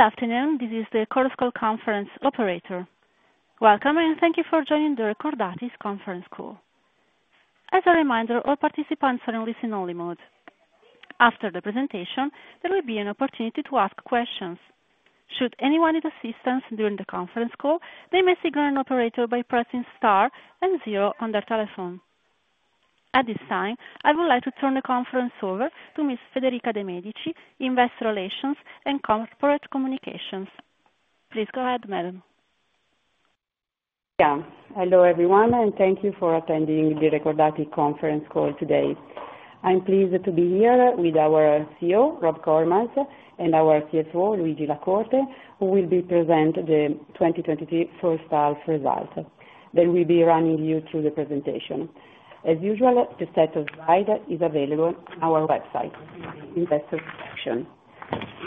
Good afternoon. This is the Recordati conference operator. Welcome, and thank you for joining the Recordati Conference Call. As a reminder, all participants are in listen-only mode. After the presentation, there will be an opportunity to ask questions. Should anyone need assistance during the conference call, they may signal an operator by pressing star and zero on their telephone. At this time, I would like to turn the conference over to Ms. Federica De Medici, investor relations and corporate communications. Please go ahead, madam. Yeah. Hello, everyone, and thank you for attending the Recordati Conference Call today. I'm pleased to be here with our CEO, Rob Koremans, and our CFO, Luigi La Corte, who will be presenting the 2023 full style results. They will be running you through the presentation. As usual, the set of slides is available on our website in the investor section.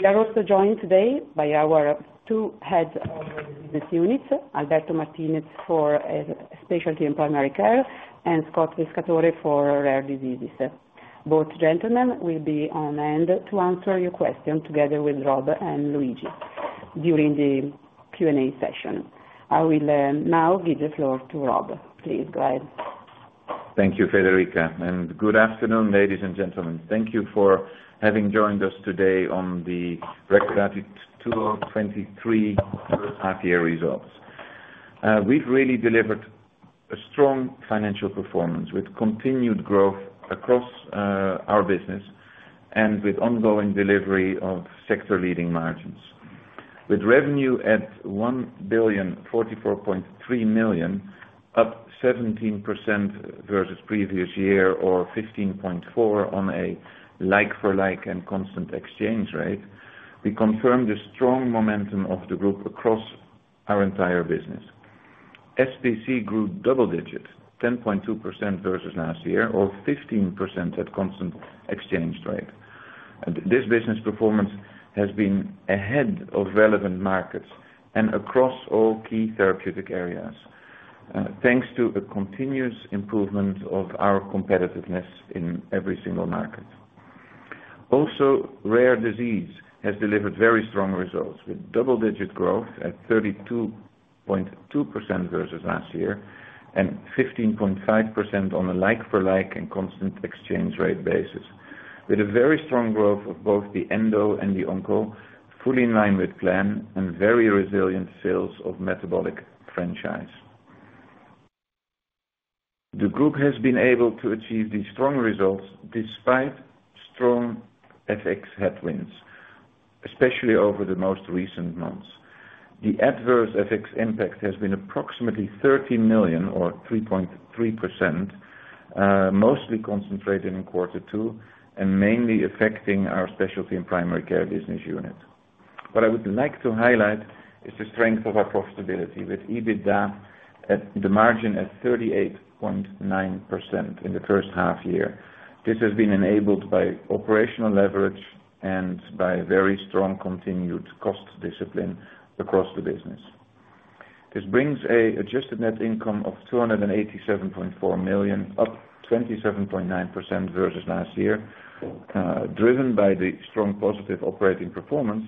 We are also joined today by our two heads of the business units, Alberto Martinez for Specialty & Primary Care, and Scott Pescatore for Rare Diseases. Both gentlemen will be on hand to answer your question together with Rob and Luigi during the Q&A session. I will now give the floor to Rob. Please go ahead. Thank you, Federica, and good afternoon, ladies and gentlemen. Thank you for having joined us today on the Recordati 2023 half year results. We've really delivered a strong financial performance with continued growth across our business and with ongoing delivery of sector-leading margins. With revenue at 1,044.3 million, up 17% versus previous year or 15.4% on a like-for-like and constant exchange rate, we confirm the strong momentum of the group across our entire business. SPC grew double digits, 10.2% versus last year, or 15% at constant exchange rate. This business performance has been ahead of relevant markets and across all key therapeutic areas, thanks to a continuous improvement of our competitiveness in every single market. Rare disease has delivered very strong results, with double-digit growth at 32.2% versus last year and 15.5% on a like-for-like and constant exchange rate basis. With a very strong growth of both the Endo and the Onco, fully in line with plan and very resilient sales of metabolic franchise. The group has been able to achieve these strong results despite strong FX headwinds, especially over the most recent months. The adverse FX impact has been approximately 13 million or 3.3%, mostly concentrated in quarter two and mainly affecting our Specialty & Primary Care business unit. What I would like to highlight is the strength of our profitability with EBITDA at the margin at 38.9% in the first half year. This has been enabled by operational leverage and by very strong continued cost discipline across the business. This brings an adjusted net income of 287.4 million, up 27.9% versus last year, driven by the strong positive operating performance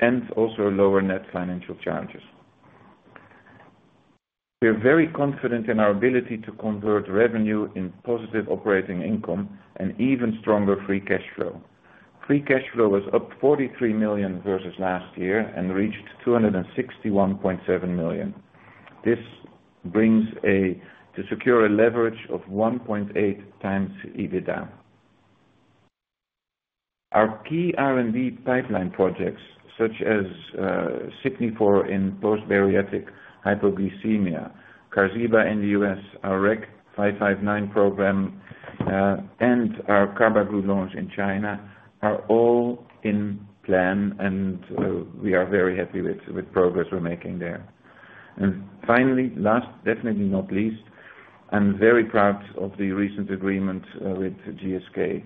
and also lower net financial charges. We are very confident in our ability to convert revenue in positive operating income and even stronger free cash flow. Free cash flow was up 43 million versus last year and reached 261.7 million. This brings to secure a leverage of 1.8x EBITDA. Our key R&D pipeline projects, such as Signifor in post-bariatric hypoglycemia, Qarziba in the U.S., our REC-0559 program, and our Carbaglu in China, are all in plan, and we are very happy with progress we're making there. Finally, last, definitely not least, I'm very proud of the recent agreement with GSK.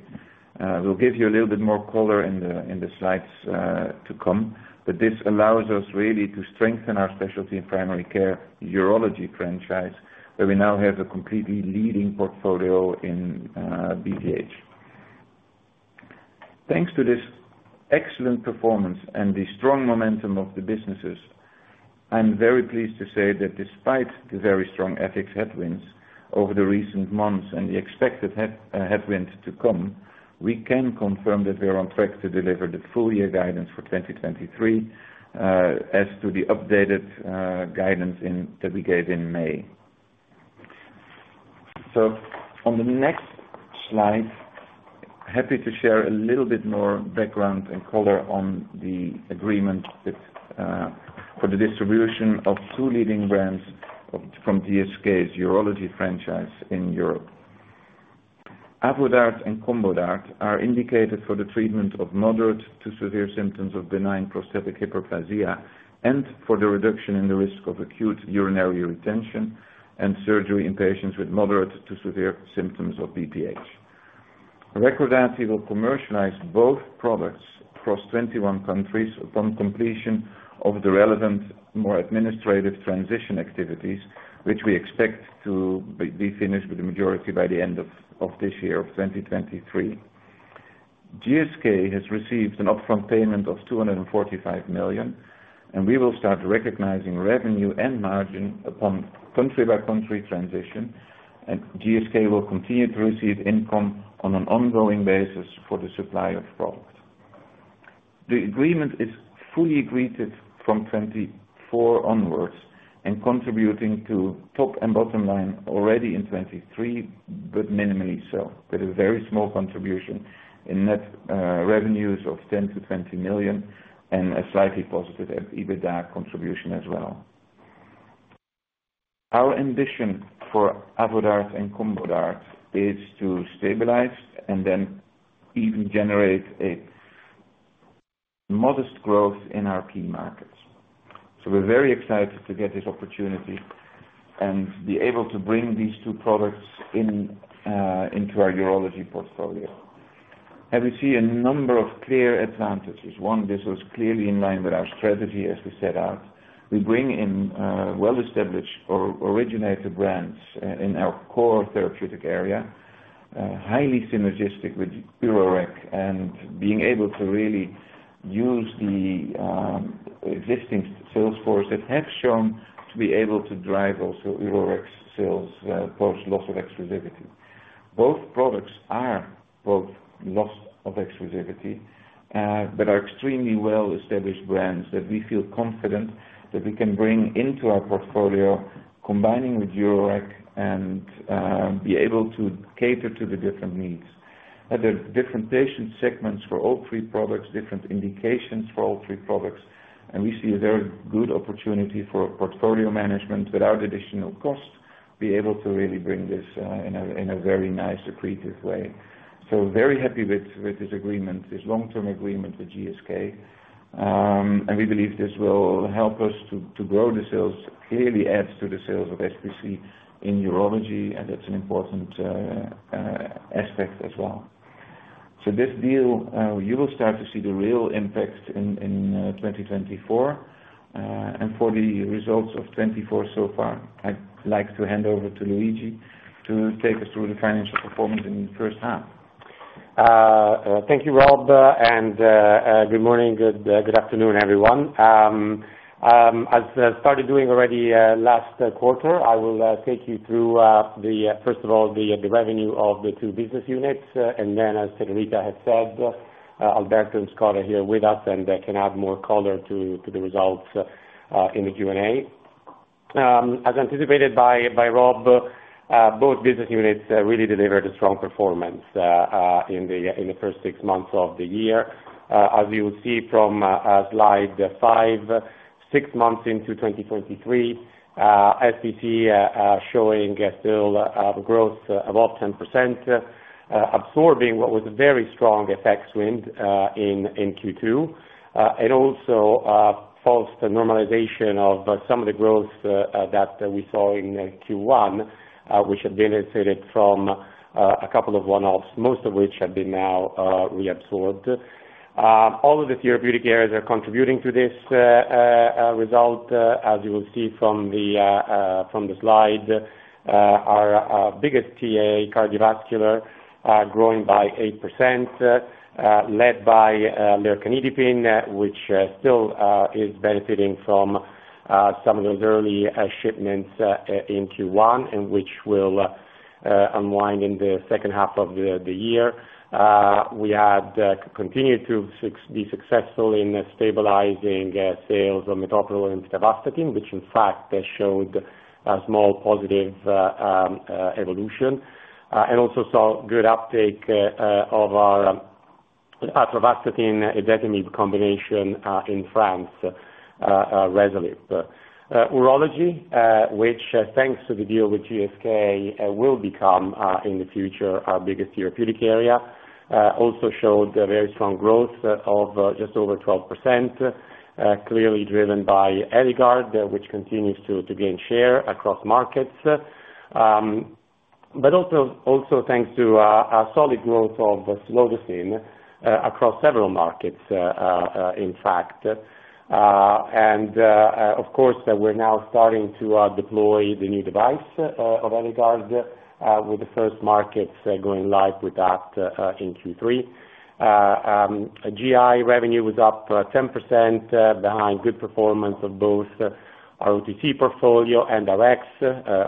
We'll give you a little bit more color in the, in the slides to come, but this allows us really to strengthen our Specialty & Primary Care urology franchise, where we now have a completely leading portfolio in BPH. Thanks to this excellent performance and the strong momentum of the businesses, I'm very pleased to say that despite the very strong FX headwinds over the recent months and the expected head headwind to come, we can confirm that we are on track to deliver the full year guidance for 2023, as to the updated guidance in that we gave in May. On the next slide, happy to share a little bit more background and color on the agreement with for the distribution of two leading brands from GSK's urology franchise in Europe. Avodart and Combodart are indicated for the treatment of moderate to severe symptoms of benign prostatic hyperplasia, and for the reduction in the risk of acute urinary retention and surgery in patients with moderate to severe symptoms of BPH. Recordati will commercialize both products across 21 countries upon completion of the relevant, more administrative transition activities, which we expect to be finished with the majority by the end of this year, of 2023. GSK has received an upfront payment of 245 million, and we will start recognizing revenue and margin upon country by country transition, and GSK will continue to receive income on an ongoing basis for the supply of products. The agreement is fully agreed from 2024 onwards, and contributing to top and bottom line already in 2023, but minimally so. With a very small contribution in net revenues of 10 million to 20 million, and a slightly positive EBITDA contribution as well. Our ambition for Avodart and Combodart is to stabilize and then even generate a modest growth in our key markets. We're very excited to get this opportunity and be able to bring these two products in into our urology portfolio. We see a number of clear advantages. One, this was clearly in line with our strategy as we set out. We bring in well-established or originator brands in our core therapeutic area, highly synergistic with Uroxatral, and being able to really use the existing sales force that have shown to be able to drive also Uroxatral sales post loss of exclusivity. Both products are both loss of exclusivity, but are extremely well-established brands that we feel confident that we can bring into our portfolio, combining with Uroxatral and be able to cater to the different needs. There are different patient segments for all three products, different indications for all three products, and we see a very good opportunity for portfolio management without additional cost, be able to really bring this in a very nice, accretive way. Very happy with, with this agreement, this long-term agreement with GSK. We believe this will help us to, to grow the sales, clearly adds to the sales of SPC in urology, and that's an important aspect as well. This deal, you will start to see the real impact in 2024. For the results of 2024 so far, I'd like to hand over to Luigi to take us through the financial performance in the first half. Thank you, Rob, and good morning. Good afternoon, everyone. As I started doing already last quarter, I will take you through the, first of all, the revenue of the two business units. Then, as Federica has said, Alberto and Scott are here with us, and they can add more color to the results in the Q&A. As anticipated by Rob, both business units really delivered a strong performance in the first 6 months of the year. As you will see from slide 5, 6 months into 2023, SPC showing a still the growth above 10%, absorbing what was a very strong FX wind in Q2. Also, false normalization of some of the growth that we saw in Q1, which have benefited from a couple of one-offs, most of which have been now reabsorbed. All of the therapeutic areas are contributing to this result, as you will see from the slide. Our biggest TA, cardiovascular, growing by 8%, led by Lercanidipine, which still is benefiting from some of those early shipments in Q1, and which will unwind in the second half of the year. We had continued to be successful in stabilizing sales of Metoprolol and Simvastatin, which in fact showed a small positive evolution. Also saw good uptake of our atorvastatin/ezetimibe combination in France, Reselip. Urology, which thanks to the deal with GSK, will become in the future, our biggest therapeutic area, also showed a very strong growth of just over 12%, clearly driven by Eligard, which continues to, to gain share across markets. Also, also thanks to a solid growth of Lomexin across several markets in fact. Of course, we're now starting to deploy the new device of Eligard with the first markets going live with that in Q3. GI revenue was up 10% behind good performance of both our OTC portfolio and RX.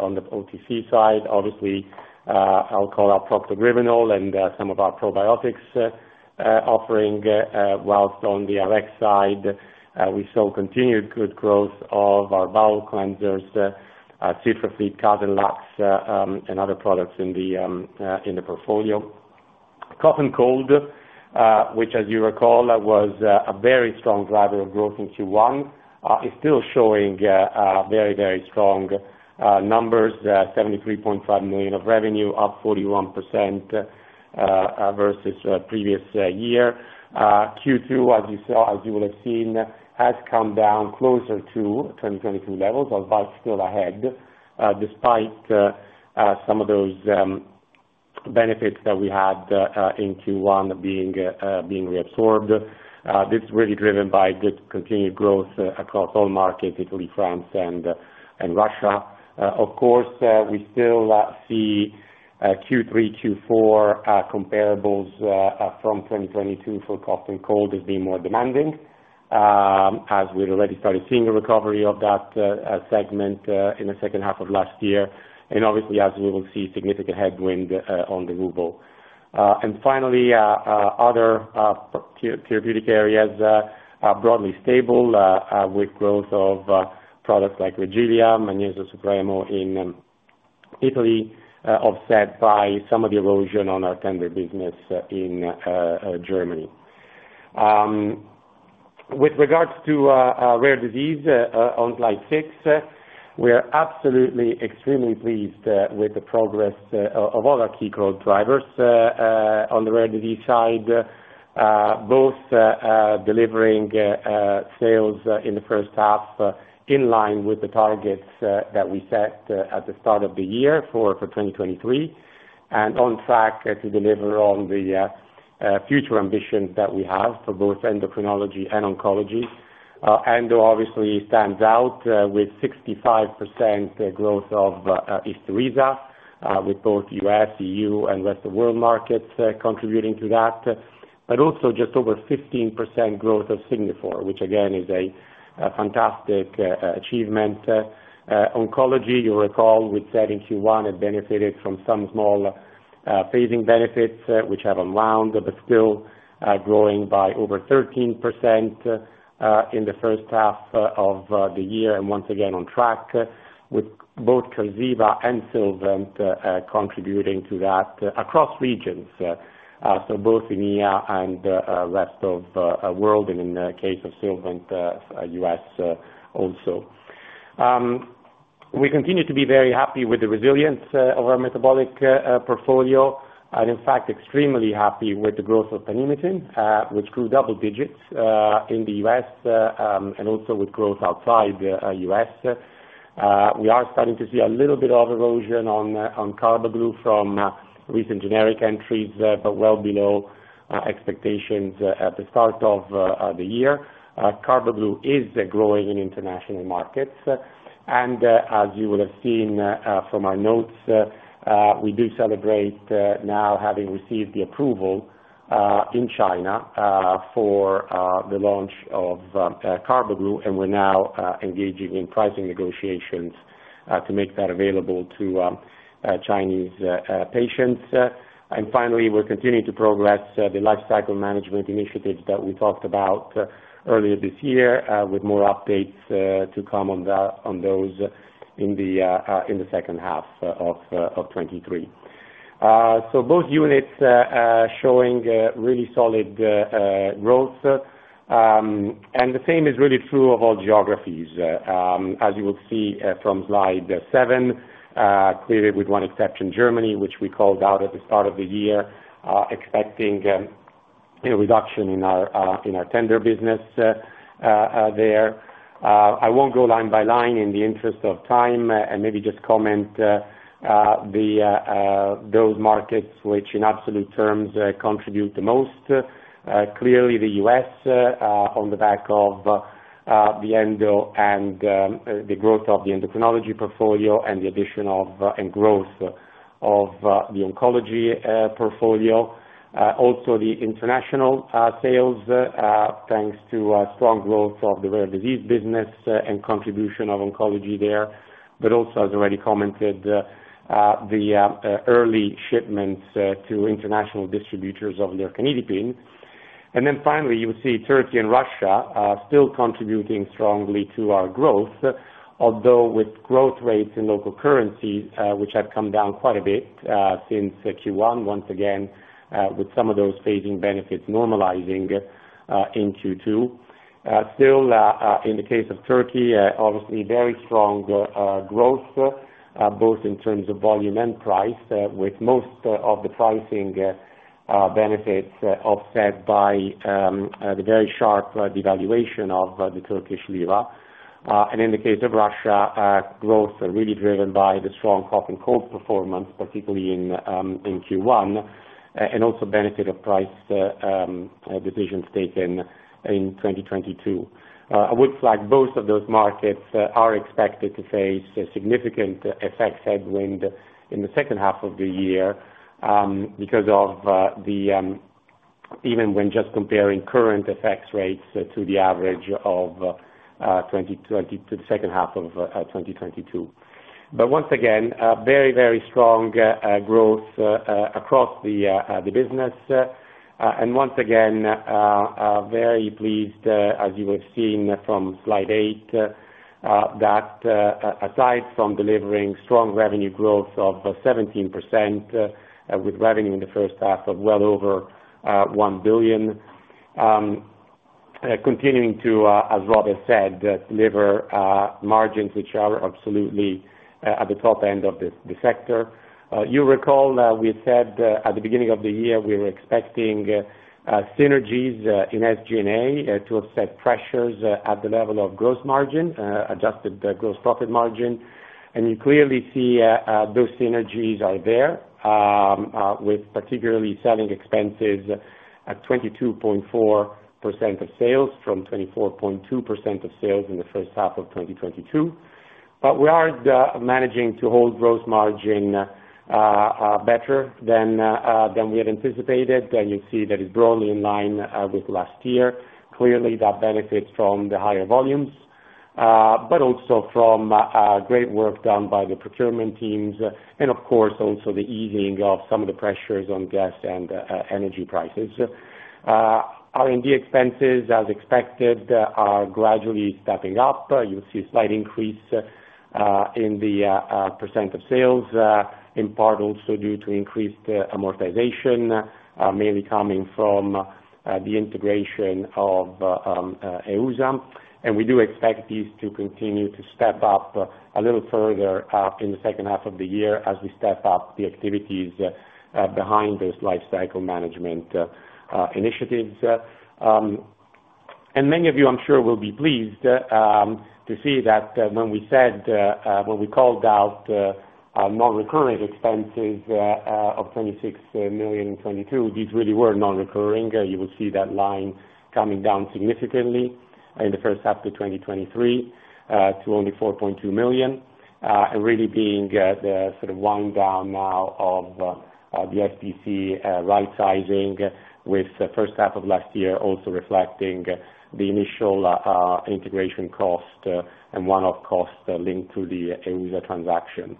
On the OTC side, obviously, I'll call out Procto-Glyvenol and some of our probiotics offering, whilst on the RX side, we saw continued good growth of our bowel cleansers, CitraFleet, Cardilax, and other products in the portfolio. Cough and Cold, which, as you recall, was a very strong driver of growth in Q1, is still showing very, very strong numbers. 73.5 million of revenue, up 41% versus previous year. Q2, as you saw as you will have seen, has come down closer to 2022 levels, but still ahead, despite some of those benefits that we had in Q1 being reabsorbed. This is really driven by good continued growth across all markets, Italy, France, and Russia. Of course, we still see Q3, Q4 comparables from 2022 for cough and cold as being more demanding, as we'd already started seeing a recovery of that segment in the second half of last year, and obviously as we will see, significant headwind on the ruble. Finally, other therapeutic areas are broadly stable with growth of products like Reagila, Magnesio Supremo in Italy, offset by some of the erosion on our tender business in Germany. With regards to our rare disease on slide 6, we are absolutely extremely pleased with the progress of all our key growth drivers on the rare disease side. Both delivering sales in the first half in line with the targets that we set at the start of the year for for 2023, and on track to deliver on the future ambitions that we have for both Endocrinology and Oncology. Endo obviously stands out with 65% growth of Ifyra, with both U.S., EU and rest of world markets contributing to that. Also just over 15% growth of Signifor, which again, is a fantastic achievement. Oncology, you'll recall, we said in Q1, it benefited from some small phasing benefits, which have around, but still growing by over 13% in the first half of the year. Once again on track with both Kyziva and Sylvant contributing to that across regions. Both EMEA and rest of world, and in the case of Sylvant, U.S., also. We continue to be very happy with the resilience of our metabolic portfolio, and in fact, extremely happy with the growth of Tanumytin, which grew double digits in the US, and also with growth outside the U.S.. We are starting to see a little bit of erosion on Carbaglu from recent generic entries, but well below expectations at the start of the year. Carbaglu is growing in international markets, and as you will have seen from our notes, we do celebrate now having received the approval in China for the launch of Carbaglu, and we're now engaging in pricing negotiations to make that available to Chinese patients. Finally, we're continuing to progress the lifecycle management initiatives that we talked about earlier this year, with more updates to come on those in the second half of 2023. Both units showing really solid growth. The same is really true of all geographies. You will see from slide 7, clearly with one exception, Germany, which we called out at the start of the year, expecting a reduction in our in our tender business there. I won't go line by line in the interest of time, and maybe just comment the those markets which in absolute terms contribute the most. The U.S. on the back of the Endo and the growth of the Endocrinology portfolio and the addition of and growth of the Oncology portfolio. Also the international sales, thanks to strong growth of the rare disease business and contribution of Oncology there. Also, as already commented, the early shipments to international distributors of Lercanidipine. Finally, you will see Turkey and Russia still contributing strongly to our growth, although with growth rates in local currencies, which have come down quite a bit since Q1, once first half of 2023, followed by a more detailed review of our Rare Diseases and Specialty & Primary Care businesses. Luigi will then provide a financial review, and I'll conclude with our outlook for the remainder of the year. We'll then open the floor for your questions. So let's start with the highlights of the first half of 2023. We delivered a very strong performance in the first half of 2023, with net revenues growing by 17.5% at constant exchange rates to EUR 1,048.5 million. Once again, very pleased, as you have seen from slide eight, that aside from delivering strong revenue growth of 17%, with revenue in the first half of well over 1 billion, continuing to as Rob said, deliver margins, which are absolutely at the top end of the sector. You recall, we said at the beginning of the year, we were expecting synergies in SG&A to offset pressures at the level of gross margin, adjusted gross profit margin. You clearly see those synergies are there, with particularly selling expenses at 22.4% of sales from 24.2% of sales in the first half of 2022. We are managing to hold gross margin better than we had anticipated. You'll see that it's broadly in line with last year. Clearly, that benefits from the higher volumes, but also from great work done by the procurement teams, and of course, also the easing of some of the pressures on gas and energy prices. R&D expenses, as expected, are gradually stepping up. You'll see a slight increase in the % of sales, in part also due to increased amortization, mainly coming from the integration of EUSA. We do expect this to continue to step up a little further in the second half of the year as we step up the activities behind those lifecycle management initiatives. And many of you, I'm sure, will be pleased to see that when we said when we called out non-recurrent expenses of 26 million in 2022, these really were non-reoccurring. You will see that line coming down significantly in the first half of 2023 to only 4.2 million, and really being the sort of wind down now of the FDC right sizing, with the first half of last year also reflecting the initial integration cost and one-off costs linked to the EUSA transaction.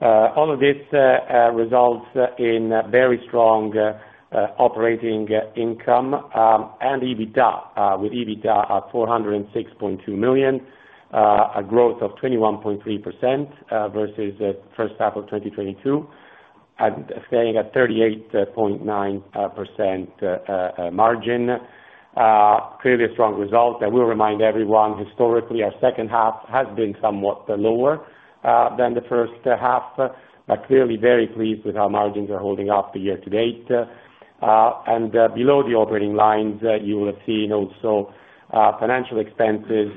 All of this results in very strong operating income and EBITDA, with EBITDA at 406.2 million, a growth of 21.3% versus the first half of 2022, and staying at 38.9% margin. Clearly a strong result. I will remind everyone, historically, our second half has been somewhat lower than the first half, but clearly very pleased with how margins are holding up the year to date. Below the operating lines, you will have seen also financial expenses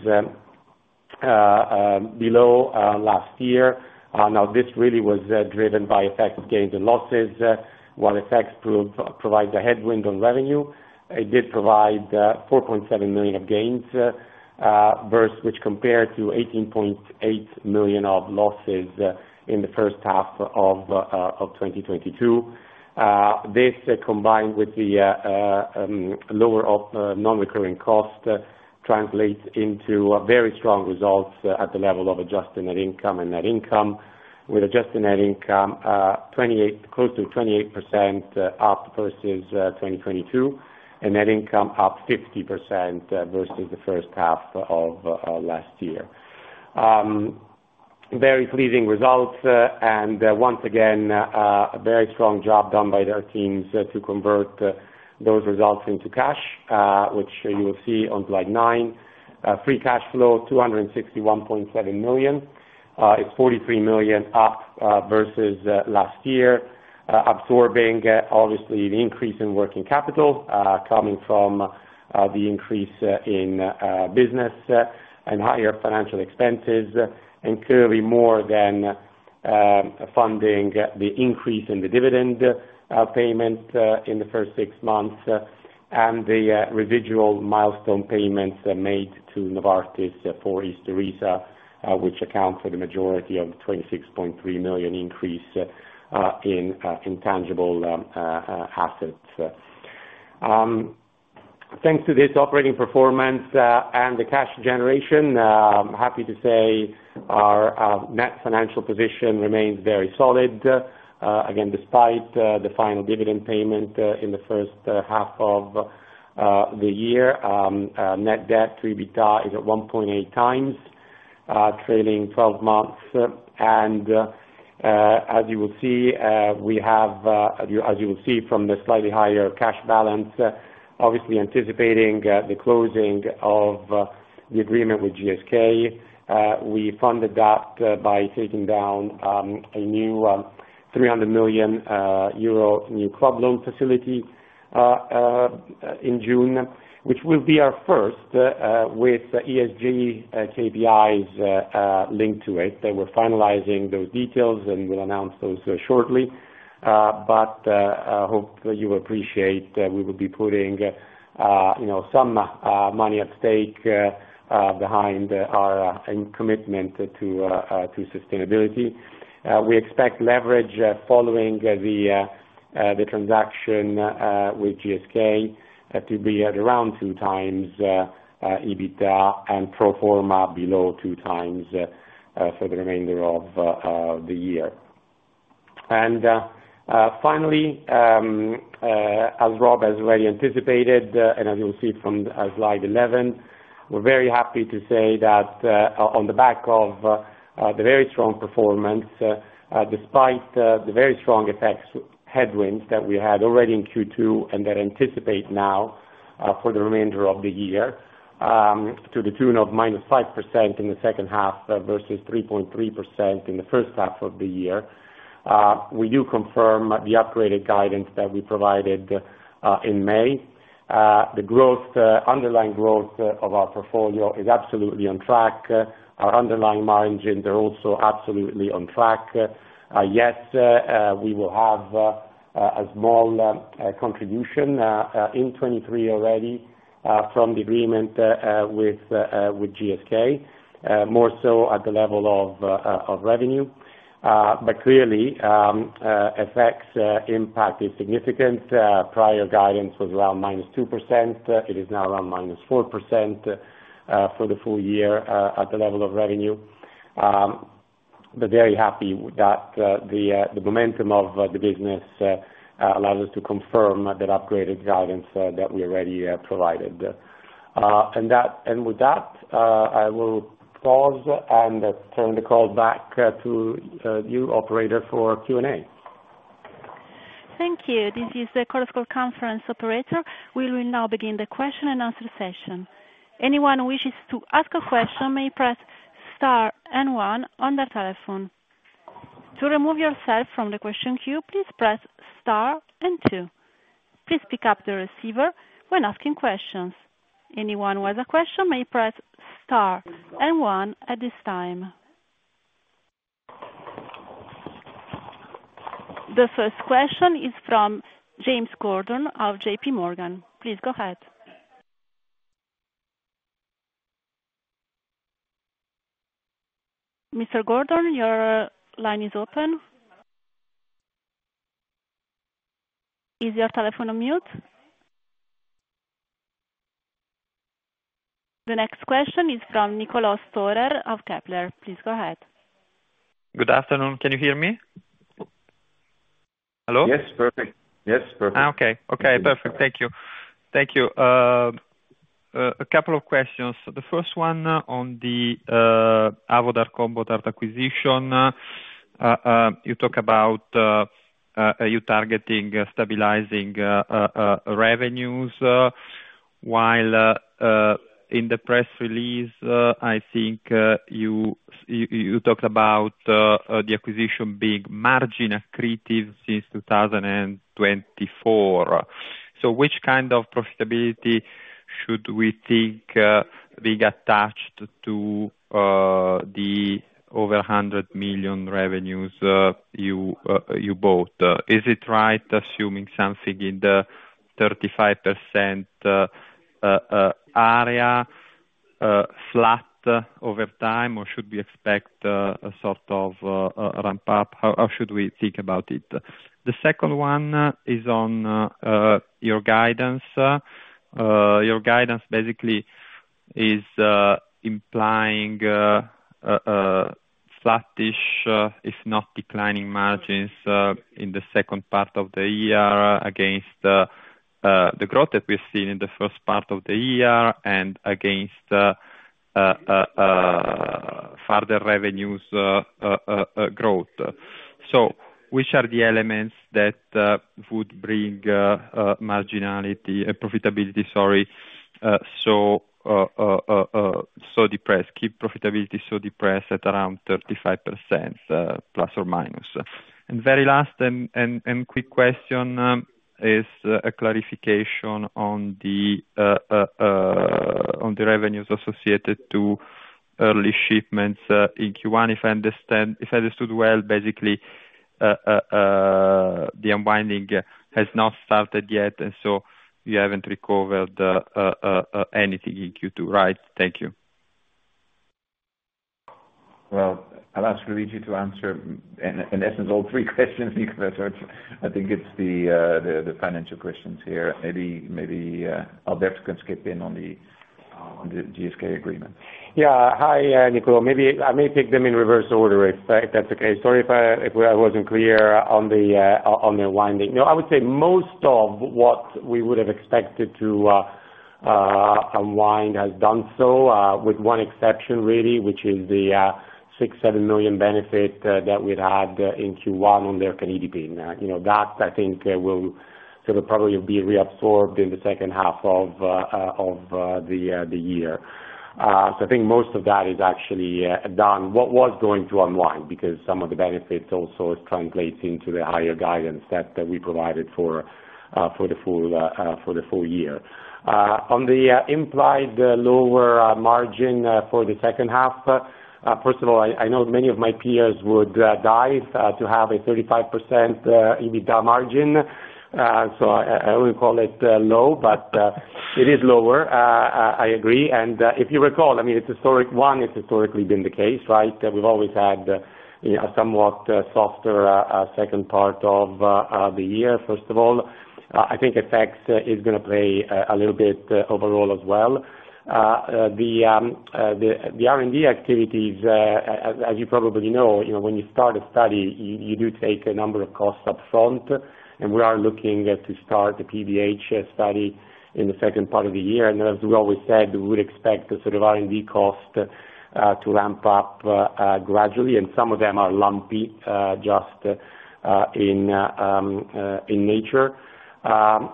below last year. Now, this really was driven by effective gains and losses. While FX provide a headwind on revenue, it did provide 4.7 million of gains versus 18.8 million of losses in the first half of 2022. This, combined with the lower non-recurring costs, translates into very strong results at the level of adjusted net income and net income, with adjusted net income close to 28% up versus 2022, and net income up 50% versus the first half of last year. Very pleasing results, and once again, a very strong job done by their teams to convert those results into cash, which you will see on slide 9. Free cash flow 261.7 million. It's 43 million up versus last year, absorbing obviously the increase in working capital coming from the increase in business and higher financial expenses, and clearly more than funding the increase in the dividend payment in the first 6 months and the residual milestone payments made to Novartis for Eylea, which account for the majority of the 26.3 million increase in intangible assets. Thanks to this operating performance and the cash generation, I'm happy to say our net financial position remains very solid. Again, despite the final dividend payment in the first half of the year, net debt to EBITDA is at 1.8 times trailing 12 months. As you will see, we have, as you, as you will see from the slightly higher cash balance, obviously anticipating the closing of the agreement with GSK, we funded that by taking down a new 300 million euro new club loan facility in June, which will be our first with the ESG KPIs linked to it. They were finalizing those details, and we'll announce those shortly. I hope you appreciate that we will be putting, you know, some money at stake behind our commitment to sustainability. We expect leverage, following the transaction with GSK, to be at around two times EBITDA and pro forma below two times for the remainder of the year. Finally, as Rob has already anticipated, and as you'll see from slide 11, we're very happy to say that on the back of the very strong performance, despite the very strong FX headwinds that we had already in Q2, and that anticipate now for the remainder of the year, to the tune of -5% in the second half, versus 3.3% in the first half of the year. We do confirm the upgraded guidance that we provided in May. The growth, underlying growth of our portfolio is absolutely on track. Our underlying margins are also absolutely on track. Yes, we will have a small contribution in 2023 already from the agreement with GSK, more so at the level of revenue. Clearly, effects, impact is significant. Prior guidance was around -2%. It is now around -4%, for the full year, at the level of revenue. Very happy that, the, the momentum of the business, allows us to confirm that upgraded guidance, that we already, provided. That and with that, I will pause and turn the call back, to, you operator for Q&A. Thank you. This is the musical conference operator. We will now begin the question-and-answer session. Anyone who wishes to ask a question may press star and one on their telephone. To remove yourself from the question queue, please press star and two. Please pick up the receiver when asking questions. Anyone with a question may press star and one at this time. The first question is from James Gordon of J.P. Morgan. Please go ahead. Mr. Gordon, your line is open. Is your telephone on mute? The next question is from Niccolò Storer of Kepler. Please go ahead. Good afternoon. Can you hear me? Hello? Yes, perfect. Yes, perfect. Okay. Okay, perfect. Thank you. Thank you. A couple of questions. The first one on the Avodart Combodart acquisition. You talk about you targeting, stabilizing revenues, while in the press release, I think, you talked about the acquisition being margin accretive since 2024. Which kind of profitability should we think being attached to the over 100 million revenues you bought? Is it right assuming something in the 35% area, flat over time, or should we expect a sort of ramp up? How should we think about it? The second one is on your guidance. Your guidance basically is implying flattish, if not declining margins, in the second part of the year against the growth that we've seen in the first part of the year and against further revenues growth. Which are the elements that would bring marginality, profitability, sorry, so so depressed, keep profitability so depressed at around 35% ±? Very last and quick question is a clarification on the revenues associated to early shipments in Q1, if I understood well, basically, the unwinding has not started yet, and so you haven't recovered anything in Q2, right? Thank you. Well, I'll ask Luigi to answer in, in essence, all three questions because I think it's the, the financial questions here. Maybe, maybe, Alberto can skip in on the GSK agreement. Yeah. Hi, Niccolò. Maybe I may take them in reverse order, if that, that's okay. Sorry if I wasn't clear on the unwinding. No, I would say most of what we would have expected to unwind has done so, with one exception, really, which is the 6-7 million benefit that we'd had in Q1 on Lercanidipine. You know, that I think will sort of probably be reabsorbed in the second half of the year. I think most of that is actually done. What was going to unwind? Because some of the benefits also translates into the higher guidance that, that we provided for the full, for the full year. On the implied lower margin for the second half. First of all, I, I know many of my peers would die to have a 35% EBITDA margin. So I, I wouldn't call it low, but it is lower. I agree. If you recall, I mean, it's historic. One, it's historically been the case, right? We've always had, you know, a somewhat softer second part of the year, first of all. I think FX is gonna play a little bit overall as well. The, the R&D activities, as, as you probably know, you know, when you start a study you do take a number of costs up front, and we are looking at to start the PDH study in the second part of the year, and as we always said, we would expect the sort of R&D cost to ramp up gradually, and some of them are lumpy just in nature.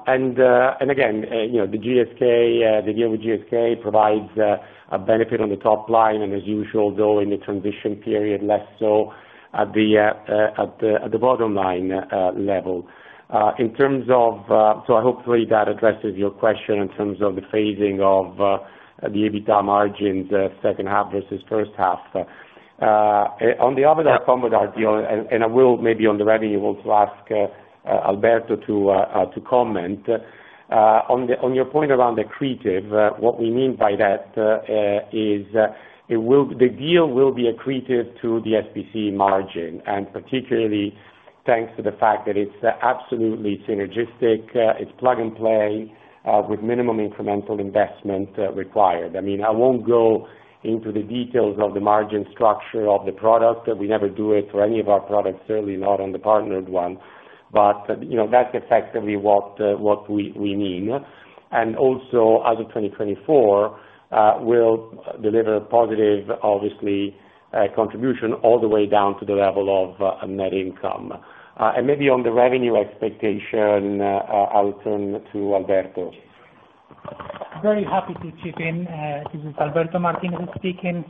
Again, you know, the GSK, the deal with GSK provides a benefit on the top line, and as usual, though, in the transition period, less so at the, at the bottom line level. In terms of, so hopefully that addresses your question in terms of the phasing of the EBITA margins, second half versus first half. On the, and I will, maybe on the revenue, also ask Alberto to comment. On the, on your point around accretive, what we mean by that, is the deal will be accretive to the SBC margin, and particularly thanks to the fact that it's absolutely synergistic, it's plug and play, with minimum incremental investment required. I mean, I won't go into the details of the margin structure of the product. We never do it for any of our products, certainly not on the partnered one, but, you know, that's effectively what we, we mean. As of 2024, we'll deliver positive, obviously, contribution all the way down to the level of net income. Maybe on the revenue expectation, I'll turn to Alberto. Very happy to chip in. This is Alberto Martinez speaking.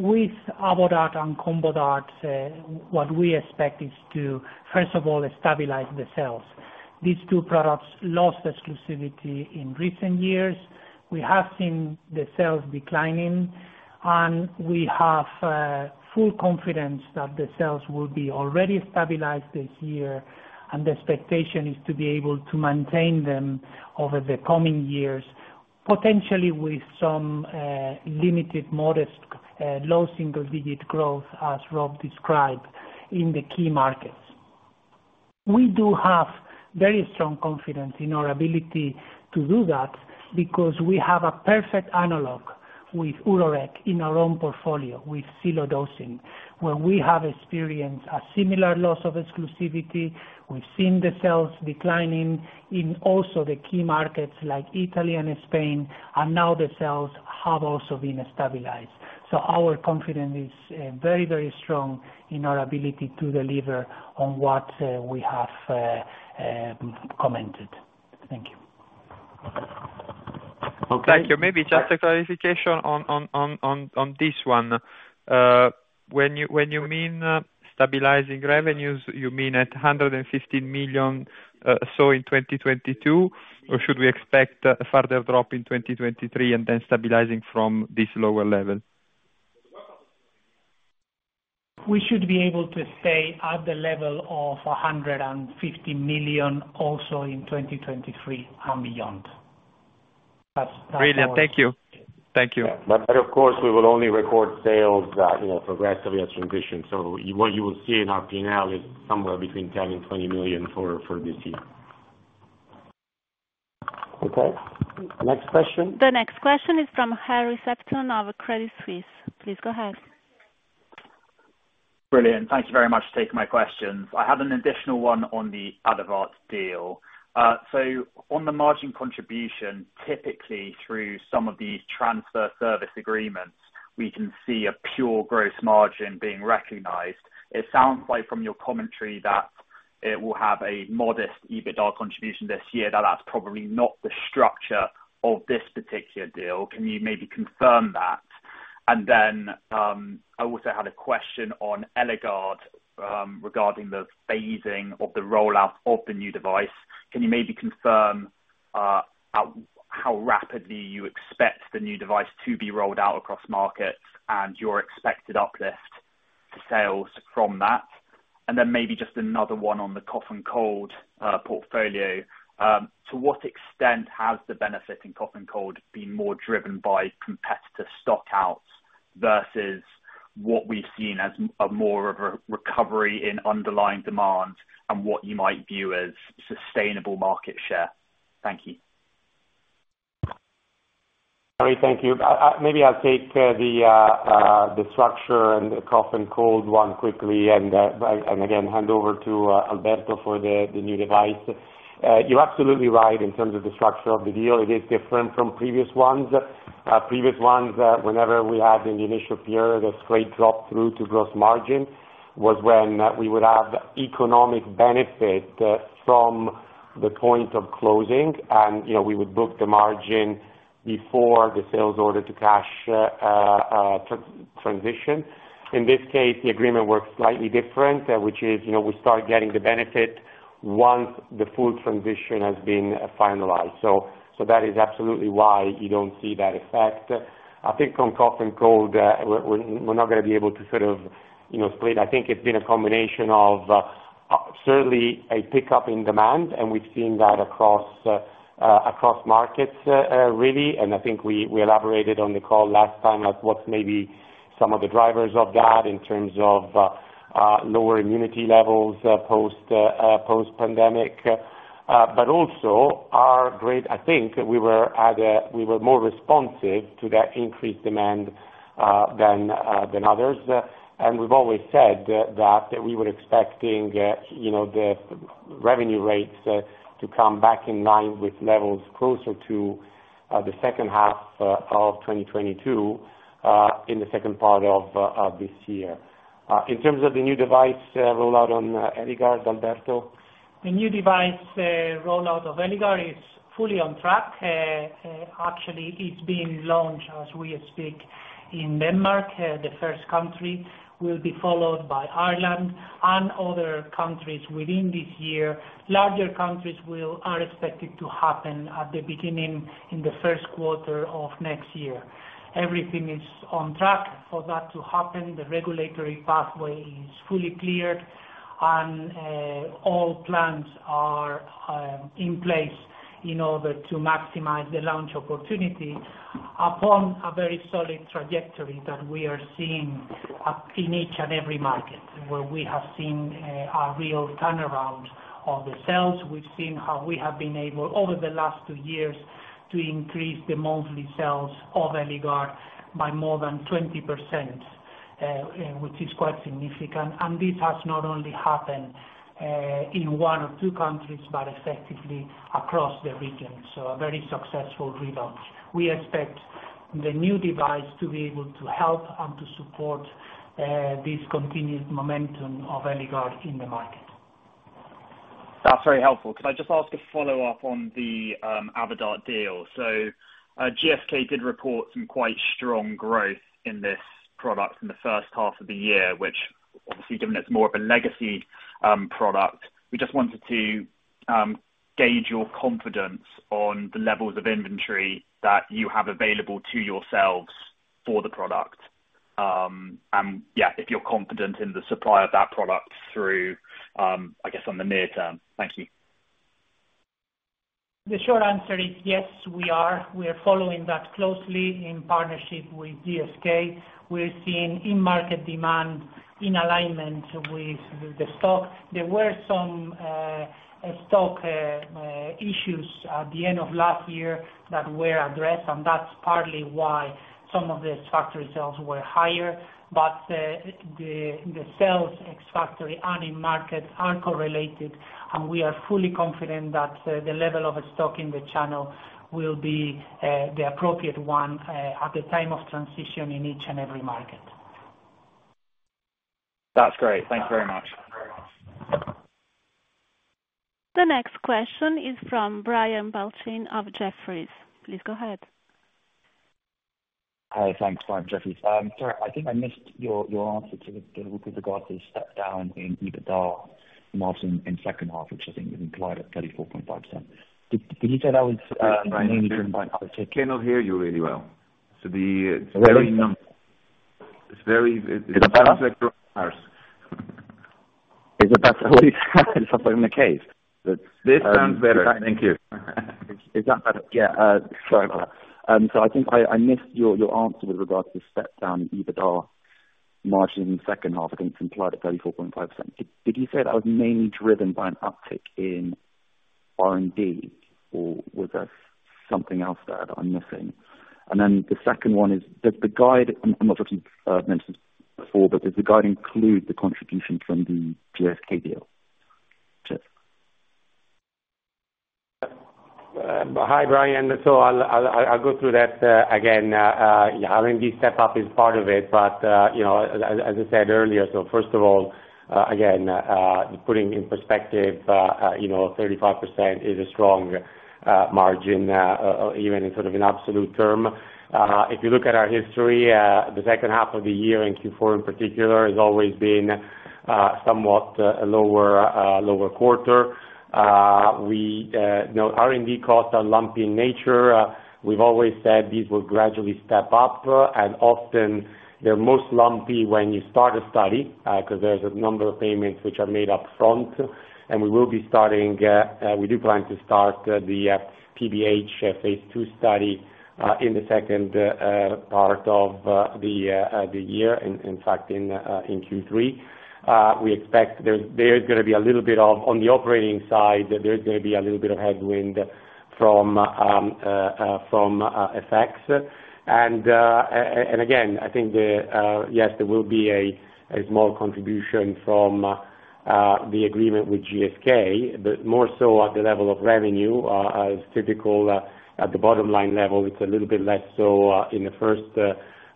With Ativan and CombiDot, what we expect is to, first of all, stabilize the sales. These two products lost exclusivity in recent years. We have seen the sales declining. We have full confidence that the sales will be already stabilized this year, and the expectation is to be able to maintain them over the coming years, potentially with some limited, modest, low single-digit growth, as Rob described, in the key markets. We do have very strong confidence in our ability to do that because we have a perfect analog with in our own portfolio, with silodosin, where we have experienced a similar loss of exclusivity. We've seen the sales declining in also the key markets like Italy and Spain, and now the sales have also been stabilized. Our confidence is very, very strong in our ability to deliver on what we have commented. Thank you. Okay. Thank you. Maybe just a clarification on this one. When you, when you mean, stabilizing revenues, you mean at 115 million, so in 2022, or should we expect a further drop in 2023 and then stabilizing from this lower level? We should be able to stay at the level of 150 million also in 2023 and beyond. Brilliant. Thank you. Thank you. Of course, we will only record sales, you know, progressively as transition. What you will see in our P&L is somewhere between 10 million and 20 million for this year. Okay, next question. The next question is from Harry Sephton of Credit Suisse. Please go ahead. Brilliant, thank you very much for taking my questions. I have an additional one on the inaudible deal. On the margin contribution, typically through some of these transfer service agreements, we can see a pure gross margin being recognized. It sounds like from your commentary, that it will have a modest EBITDA contribution this year, that that's probably not the structure of this particular deal. Can you maybe confirm that? I also had a question on Eligard regarding the phasing of the rollout of the new device. Can you maybe confirm how rapidly you expect the new device to be rolled out across markets and your expected uplift to sales from that? Maybe just another one on the cough and cold portfolio. To what extent has the benefit in cough and cold been more driven by competitor stock outs versus what we've seen as a more of a recovery in underlying demand and what you might view as sustainable market share? Thank you. All right, thank you. Maybe I'll take the structure and the cough and cold one quickly, and again, hand over to Alberto for the new device. You're absolutely right in terms of the structure of the deal. It is different from previous ones. Previous ones, whenever we had in the initial period, the straight drop through to gross margin, was when we would have economic benefit from the point of closing, and, you know, we would book the margin before the sales in order to cash transition. In this case, the agreement works slightly different, which is, you know, we start getting the benefit once the full transition has been finalized. That is absolutely why you don't see that effect. I think from cough and cold, we're, we're not gonna be able to sort of, you know, split. I think it's been a combination of, certainly a pickup in demand, and we've seen that across, across markets, really. I think we, we elaborated on the call last time as what's maybe some of the drivers of that in terms of, lower immunity levels, post, post-pandemic. But also we were more responsive to that increased demand, than, than others. We've always said that, that we were expecting, you know, the revenue rates, to come back in line with levels closer to the second half of 2022, in the second part of this year. In terms of the new device, rollout on Eligard, Alberto? The new device, rollout of Eligard is fully on track. Actually, it's being launched as we speak in Denmark. The first country will be followed by Ireland and other countries within this year. Larger countries are expected to happen at the beginning, in the first quarter of next year. Everything is on track for that to happen. The regulatory pathway is fully clear, and all plans are in place in order to maximize the launch opportunity upon a very solid trajectory that we are seeing in each and every market, where we have seen a real turnaround of the sales. We've seen how we have been able, over the last two years, to increase the monthly sales of Eligard by more than 20%, which is quite significant. This has not only happened, in one or two countries, but effectively across the region, so a very successful relaunch. We expect the new device to be able to help and to support, this continued momentum of Eligard in the market. That's very helpful. Could I just ask a follow-up on the Avodart deal? GSK did report some quite strong growth in this product in the first half of the year, which obviously, given it's more of a legacy product, we just wanted to gauge your confidence on the levels of inventory that you have available to yourselves for the product. And yeah, if you're confident in the supply of that product through, I guess, on the near term. Thank you. The short answer is yes, we are. We are following that closely in partnership with GSK. We're seeing in-market demand in alignment with, with the stock. There were some stock issues at the end of last year that were addressed, and that's partly why some of the factory sales were higher. The sales ex-factory and in-market are correlated, and we are fully confident that the level of stock in the channel will be the appropriate one at the time of transition in each and every market. That's great. Thank you very much. The next question is from Brian Balchin of Jefferies. Please go ahead. Hi, thanks. Brian Balchin, Jefferies. Sorry, I think I missed your, your answer to, with regards to the step down in EBITDA margin in second half, which I think is implied at 34.5%. Did, did you say that was mainly driven by- Cannot hear you really well. What? It's very. It's very. Is it better? That's often the case. This sounds better. Thank you. It's got better. Yeah, sorry about that. I think I, I missed your, your answer with regards to the step down in EBITDA margin in the second half. I think it's implied at 34.5%. Did, did you say that was mainly driven by an uptick in R&D, or was there something else there that I'm missing? The second one is, does the guide, I'm not sure you mentioned before, but does the guide include the contribution from the GSK deal? Cheers. Hi, Brian. I'll go through that again. Yeah, R&D step up is part of it, but, you know, as I said earlier, first of all, again, putting in perspective, you know, 35% is a strong margin even in sort of an absolute term. If you look at our history, the second half of the year in Q4 in particular, has always been somewhat a lower, lower quarter. We, you know, R&D costs are lumpy in nature. We've always said these will gradually step up, and often they're most lumpy when you start a study, 'cause there's a number of payments which are made up front. We will be starting, we do plan to start the BPH phase two study in the second part of the year. In fact, in Q3. We expect there's gonna be a little bit of. On the operating side, there's gonna be a little bit of headwind from FX. Again, I think yes, there will be a small contribution from the agreement with GSK, but more so at the level of revenue, as typical, at the bottom line level, it's a little bit less so in the first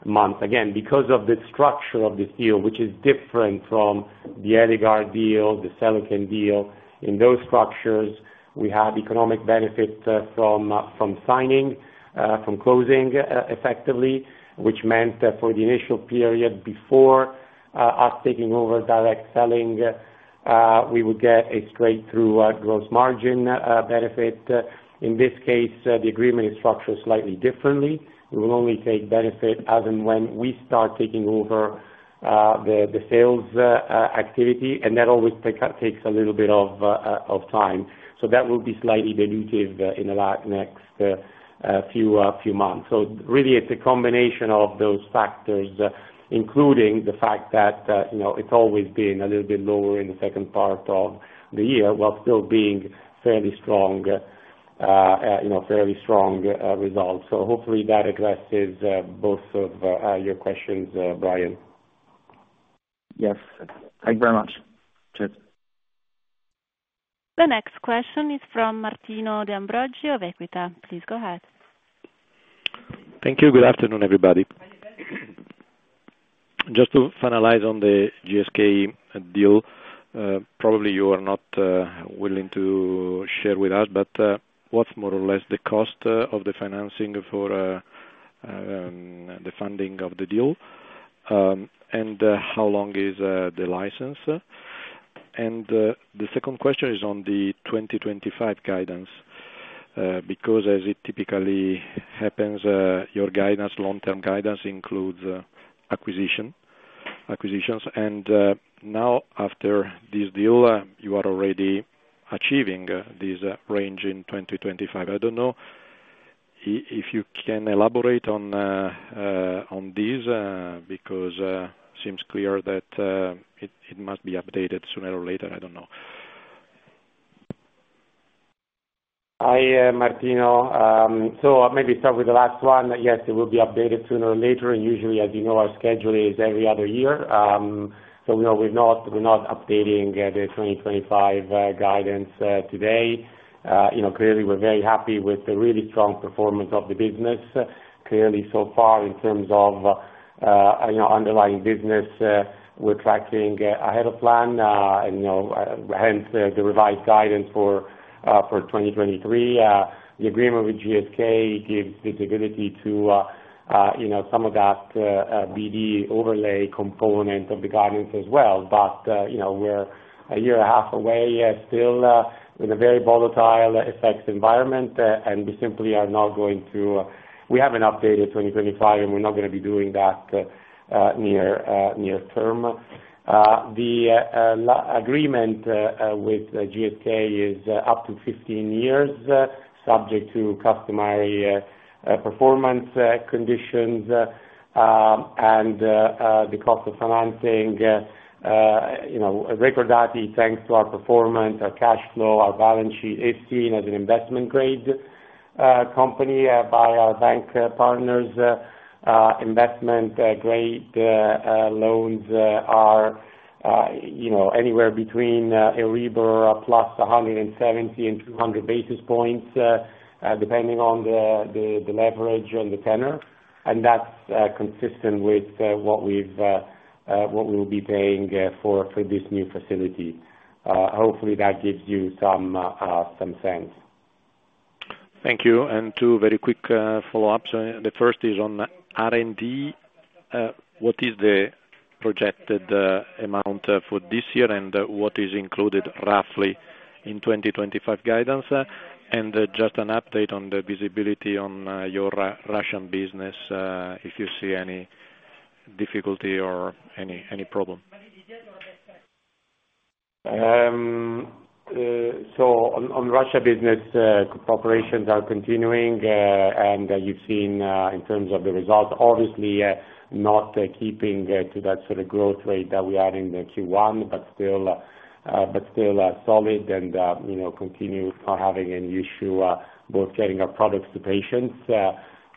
month. Again, because of the structure of this deal, which is different from the Eligard deal, the Celicant deal. In those structures, we have economic benefits from from signing, from closing, effectively, which meant that for the initial period before us taking over direct selling, we would get a straight through gross margin benefit. In this case, the agreement is structured slightly differently. We will only take benefit as and when we start taking over the sales activity, and that always take, takes a little bit of time. That will be slightly dilutive in the last, next few months. Really, it's a combination of those factors, including the fact that, you know, it's always been a little bit lower in the second part of the year, while still being fairly strong, you know, fairly strong results. Hopefully that addresses, both of your questions, Brian. Yes. Thank you very much. Cheers. The next question is from Martino De Ambroggi of Equita. Please go ahead. Thank you. Good afternoon, everybody. Just to finalize on the GSK deal, probably you are not willing to share with us, but what's more or less the cost of the financing for the funding of the deal? How long is the license? The second question is on the 2025 guidance, because as it typically happens, your guidance, long-term guidance includes acquisition, acquisitions. Now, after this deal, you are already achieving this range in 2025. I don't know if you can elaborate on this, because seems clear that it must be updated sooner or later, I don't know. Hi, Martino. Maybe start with the last one. Yes, it will be updated sooner or later, and usually, as you know, our schedule is every other year. You know we're not updating the 2025 guidance today. You know, clearly, we're very happy with the really strong performance of the business. Clearly, so far, in terms of, you know, underlying business, we're tracking ahead of plan, and, you know, hence the, the revised guidance for 2023. The agreement with GSK gives visibility to, you know, some of that BD overlay component of the guidance as well. You know, we're a year and a half away still with a very volatile FX environment, and we simply are not going to we haven't updated 2025, and we're not going to be doing that near term. The agreement with GSK is up to 15 years, subject to customary performance conditions, and the cost of financing, you know, Recordati, thanks to our performance, our cash flow, our balance sheet, is seen as an investment-grade company by our bank partners. Investment grade loans are, you know, anywhere between a EURIBOR plus 170 and 200 basis points depending on the leverage and the tenor, and that's consistent with what we will be paying for this new facility. Hopefully, that gives you some sense. Thank you, and two very quick follow-ups. The first is on R&D. What is the projected amount for this year, and what is included roughly in 2025 guidance? Just an update on the visibility on your Russian business, if you see any difficulty or any problem? On Russia business, operations are continuing, and you've seen in terms of the results, obviously, not keeping to that sort of growth rate that we had in the Q1, but still, but still solid and, you know, continue not having an issue both getting our products to patients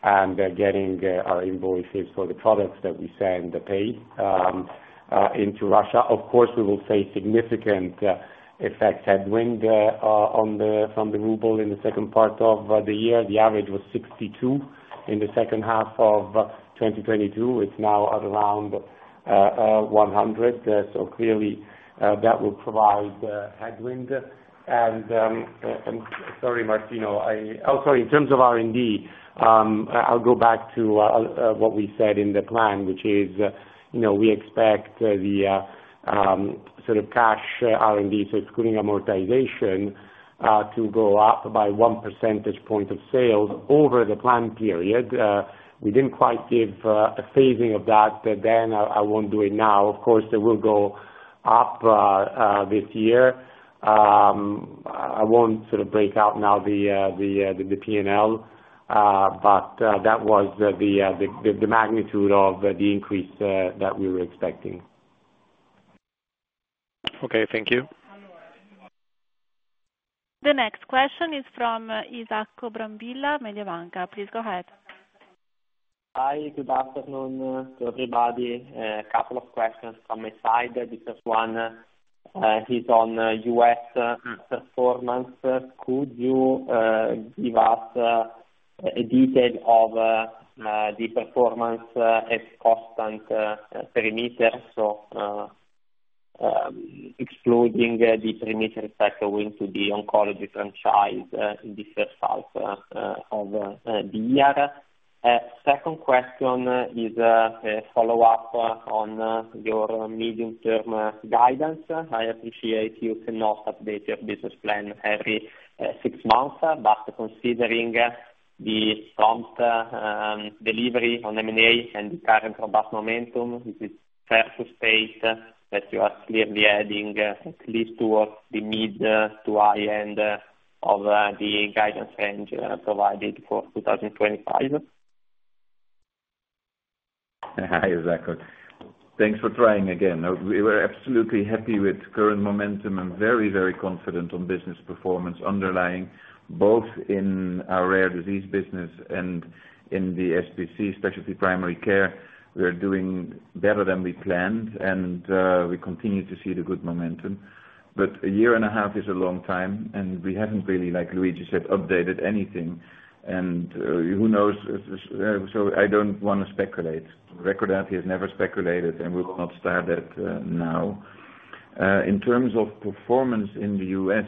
and getting our invoices for the products that we send and paid into Russia. Of course, we will face significant FX headwind on the, from the ruble in the second part of the year. The average was 62 in the second half of 2022. It's now at around 100. Clearly, that will provide headwind. Sorry, Martino In terms of R&D, I'll go back to what we said in the plan, which is, you know, we expect the sort of cash R&D, so screening amortization, to go up by 1 percentage point of sales over the plan period. We didn't quite give a phasing of that then, I won't do it now. Of course, it will go up this year. I won't sort of break out now the PNL, that was the magnitude of the increase that we were expecting. Okay, thank you. The next question is from Isacco Brambilla, Mediobanca. Please go ahead. Hi, good afternoon to everybody. A couple of questions from my side. The first one is on US performance. Could you give us a detail of the performance at constant parameters of excluding the parameter factor into the Oncology franchise in the first half of the year? Second question is a follow-up on your medium-term guidance. I appreciate you cannot update your business plan every six months, but considering the strong delivery on M&A and the current robust momentum, is it fair to state that you are clearly adding at least towards the mid to high end of the guidance range provided for 2025? Hi, Isacco. Thanks for trying again. we were absolutely happy with current momentum and very, very confident on business performance underlying, both in our rare disease business and in the SPC, specialty primary care. We are doing better than we planned, we continue to see the good momentum. A year and a half is a long time, we haven't really, like Luigi said, updated anything, who knows? I don't wanna speculate. Recordati has never speculated, and we will not start that now. In terms of performance in the U.S.,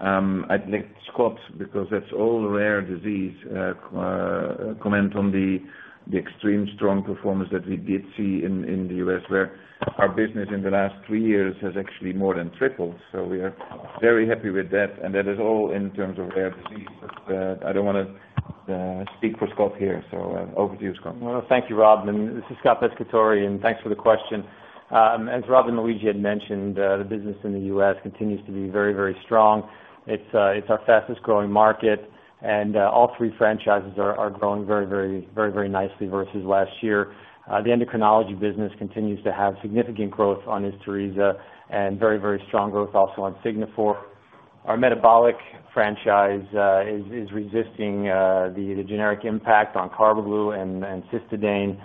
I'd let Scott, because that's all rare disease, comment on the extreme strong performance that we did see in the U.S., where our business in the last three years has actually more than tripled. We are very happy with that, and that is all in terms of rare disease. I don't wanna speak for Scott here. Over to you, Scott. Well, thank you, Rob, and this is Scott Pescatore, and thanks for the question. As Rob and Luigi had mentioned, the business in the U.S. continues to be very, very strong. It's our fastest growing market, and all three franchises are growing very, very, very, very nicely versus last year. The Endocrinology business continues to have significant growth on Thyreosa and very, very strong growth also on Signifor. Our metabolic franchise is resisting the generic impact on Carbaglu and Cystadane.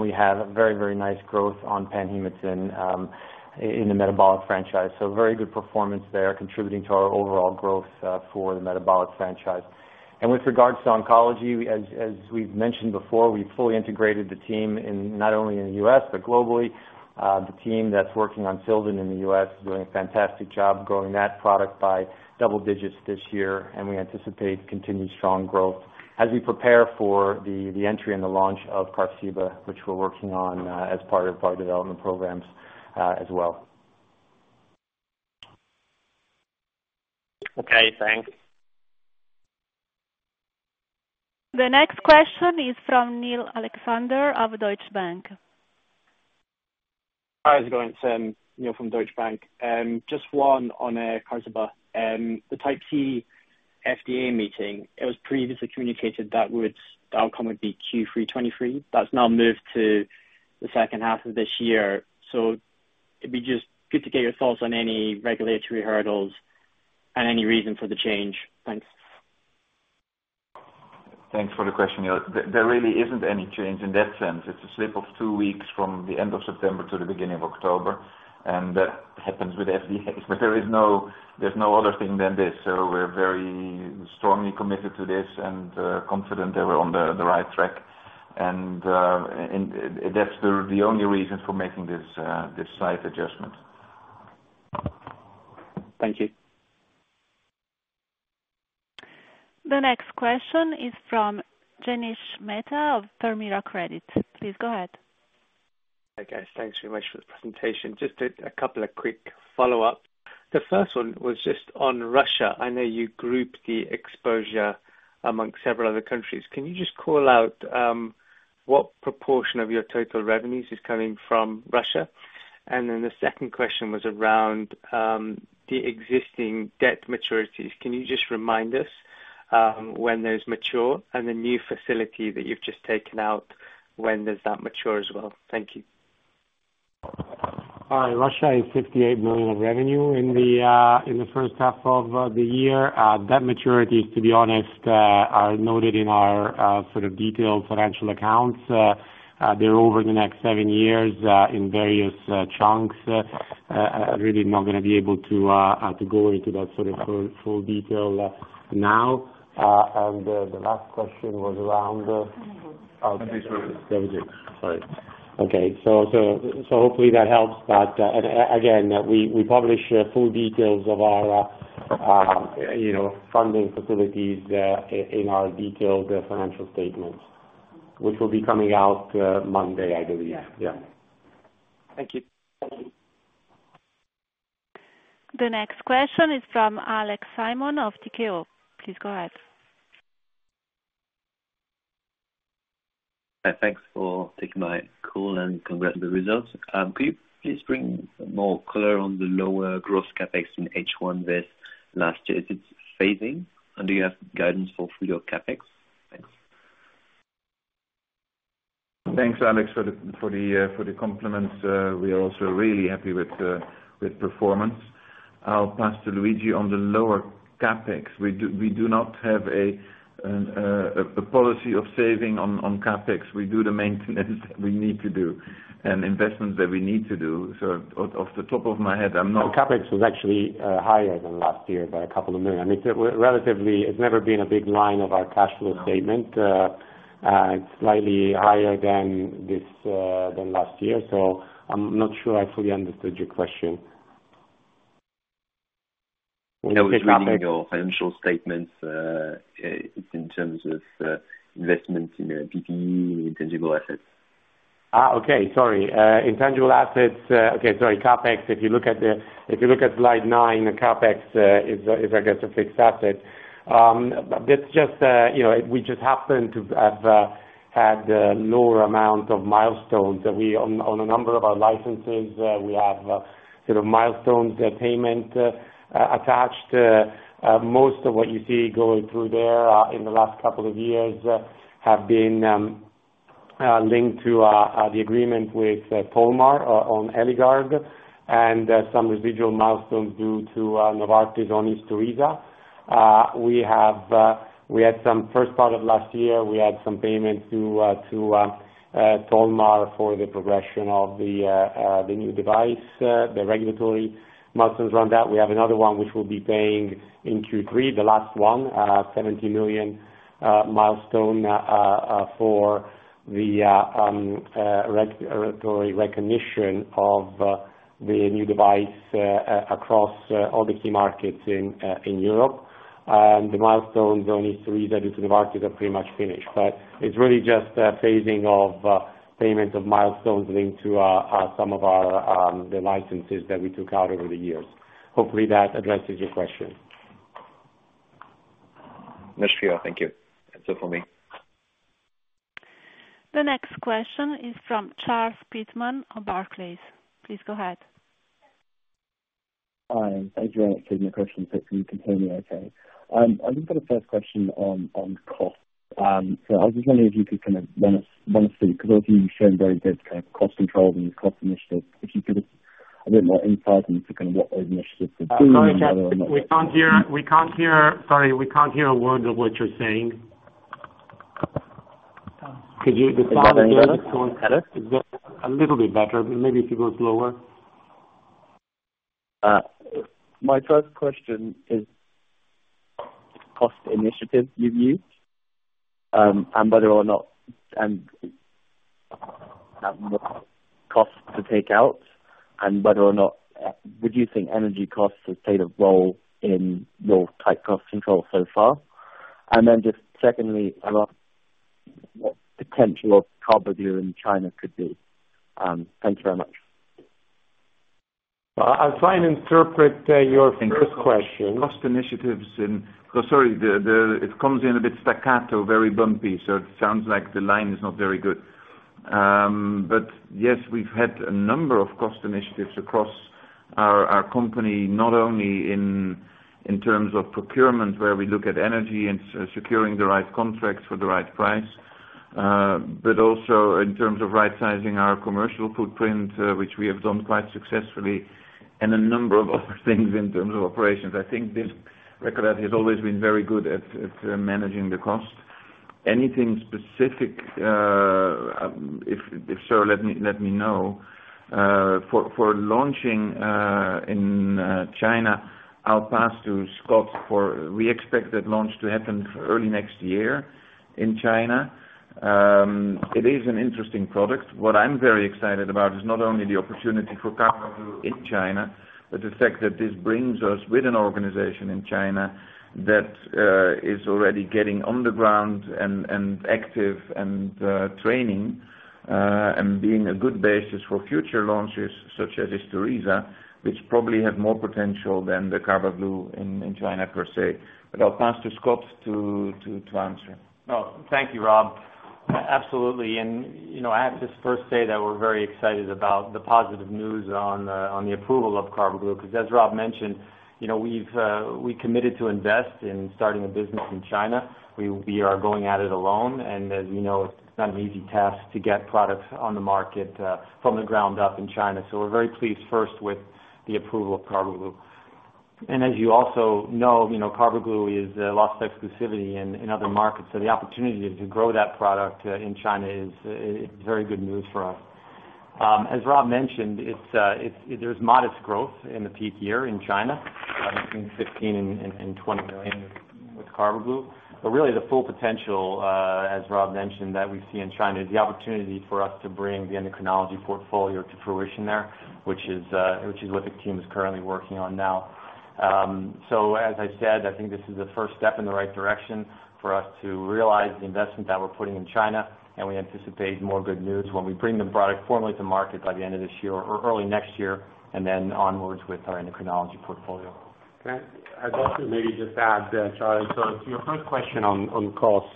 We have very, very nice growth on Panhematin in the metabolic franchise. Very good performance there, contributing to our overall growth for the metabolic franchise. With regards to Oncology, as we've mentioned before, we've fully integrated the team in, not only in the U.S. but globally. The team that's working on Sildan in the US is doing a fantastic job growing that product by double digits this year, and we anticipate continued strong growth as we prepare for the, the entry and the launch of Carceba, which we're working on, as part of our development programs, as well. Okay, thanks. The next question is from Niall Alexander of Deutsche Bank. Hi, how's it going? It's, Neil from Deutsche Bank. Just one on, Qarziba. The Type C FDA meeting, it was previously communicated that the outcome would be Q3 2023. That's now moved to the second half of this year. It'd be just good to get your thoughts on any regulatory hurdles and any reason for the change. Thanks. Thanks for the question, Niall. There, there really isn't any change in that sense. It's a slip of two weeks from the end of September to the beginning of October, and that happens with FDA. There is no, there's no other thing than this, so we're very strongly committed to this and confident that we're on the, the right track. And that's the, the only reason for making this slight adjustment. Thank you. The next question is from Jenish Mehta of Permira Credit. Please go ahead. Hi, guys. Thanks very much for the presentation. Just a couple of quick follow-up. The first one was just on Russia. I know you grouped the exposure among several other countries. Can you just call out, what proportion of your total revenues is coming from Russia? The second question was around, the existing debt maturities. Can you just remind us, when those mature and the new facility that you've just taken out, when does that mature as well? Thank you. Hi, Russia is 58 million of revenue in the in the first half of the year. Debt maturities, to be honest, are noted in our sort of detailed financial accounts. They're over the next seven years in various chunks. Really not gonna be able to to go into that sort of full, full detail now. The, the last question was around- Sorry. Okay. Hopefully that helps. Again, we publish full details of our, you know, funding facilities in our detailed financial statements, which will be coming out Monday, I believe. Yeah, yeah. Thank you. Thank you. The next question is from Alex Simon of Tikehau Capital. Please go ahead. Thanks for taking my call, and congrats on the results. Could you please bring more color on the lower gross CapEx in H1 this last year? Is it phasing, and do you have guidance for full-year CapEx? Thanks. Thanks, Alex, for the compliments. We are also really happy with, with performance. I'll pass to Luigi on the lower CapEx. We do, we do not have a, a policy of saving on, on CapEx. We do the maintenance we need to do and investments that we need to do. Off the top of my head, I'm not CapEx was actually higher than last year by 2 million. I mean, it relatively, it's never been a big line of our cash flow statement. It's slightly higher than this than last year, so I'm not sure I fully understood your question. I was reading your financial statements, it's in terms of investments in PPE and intangible assets. Okay. Sorry, intangible assets. Okay, sorry. CapEx, if you look at the, if you look at slide nine, CapEx is, is, I guess, a fixed asset. That's just, you know, we just happen to have had a lower amount of milestones. We, on, on a number of our licenses, we have sort of milestones payment attached. Most of what you see going through there, in the last couple of years, have been linked to the agreement with Tolmar on Eligard, and some residual milestones due to Novartis on Isturisa. We have, we had some first part of last year, we had some payment to to Tolmar for the progression of the new device, the regulatory milestones around that. We have another one, which will be paying in Q3, the last one, 70 million milestone for the regulatory recognition of the new device across all the key markets in Europe. The milestones on Isturisa due to the market are pretty much finished, but it's really just a phasing of payment of milestones linked to some of our the licenses that we took out over the years. Hopefully, that addresses your question. Thank you. That's it for me. The next question is from Charles Pitman-King of Barclays. Please go ahead. Hi, thank you for taking the question. You can hear me okay. I've just got a first question on, on cost. I was just wondering if you could kind of run us, run us through, because obviously you've shown very good kind of cost control and cost initiatives. If you could give a bit more insight into kind of what those initiatives are? We can't hear. We can't hear. Sorry, we can't hear a word of what you're saying. Could you Can you hear us? A little bit better, but maybe if you go slower. My first question is cost initiatives you've used, and whether or not, and costs to take out, and whether or not, reducing energy costs has played a role in your tight cost control so far? Then just secondly, about what potential of Carbaglu in China could be? Thank you very much. I'll try and interpret your first question. Cost initiatives in oh, sorry, the, it comes in a bit staccato, very bumpy, so it sounds like the line is not very good. Yes, we've had a number of cost initiatives across our, our company, not only in terms of procurement, where we look at energy and securing the right contracts for the right price, but also in terms of right sizing our commercial footprint, which we have done quite successfully, and a number of other things in terms of operations. I think this, Recordati has always been very good at managing the cost. Anything specific, if so, let me know. For launching in China, I'll pass to Scott for We expect that launch to happen early next year in China. It is an interesting product. What I'm very excited about is not only the opportunity for Carbaglu in China, but the fact that this brings us with an organization in China that is already getting on the ground and active and training and being a good basis for future launches, such as Isturisa, which probably have more potential than the Carbaglu in China, per se. I'll pass to Scott to answer. Oh, thank you, Rob. Absolutely, you know, I have to first say that we're very excited about the positive news on the approval of Carbaglu, because as Rob mentioned, you know, we've committed to invest in starting a business in China. We, we are going at it alone, and as you know, it's not an easy task to get products on the market from the ground up in China. We're very pleased first with the approval of Carbaglu. As you also know, you know, Carbaglu has lost exclusivity in other markets, so the opportunity to grow that product in China is very good news for us. As Rob mentioned, there's modest growth in the peak year in China, between 15 million and 20 million with Carbaglu. Really, the full potential, as Rob mentioned, that we see in China, is the opportunity for us to bring the Endocrinology portfolio to fruition there which is what the team is currently working on now. As I said, I think this is the first step in the right direction for us to realize the investment that we're putting in China, and we anticipate more good news when we bring the product formally to market by the end of this year or early next year, and then onwards with our Endocrinology portfolio. Can I also maybe just add, Charlie, so to your first question on, on cost.